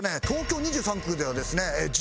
東京２３区ではですね